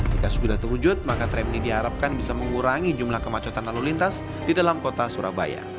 jika sudah terwujud maka tram ini diharapkan bisa mengurangi jumlah kemacetan lalu lintas di dalam kota surabaya